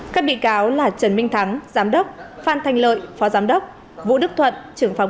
các bị cáo là trần minh thắng giám đốc phan thanh lợi phó giám đốc vũ đức thuận trưởng phòng